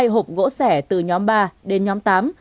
hai mươi hai hộp gỗ sẻ từ nhóm ba đến nhóm tám